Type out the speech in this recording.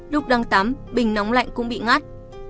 đúc đăng tắm bình nóng lạnh cũng bị ngắt